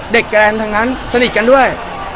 แกรนทั้งนั้นสนิทกันด้วย